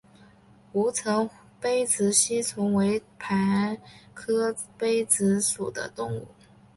吴城杯殖吸虫为同盘科杯殖属的动物。